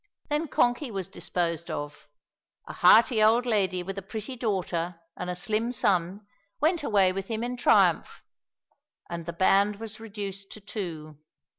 Then Konky was disposed of. A hearty old lady with a pretty daughter and a slim son went away with him in triumph, and the band was reduced to two.